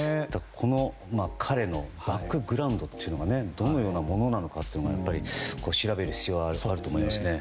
彼のバックグラウンドというのがどのようなものなのかも調べる必要があると思います。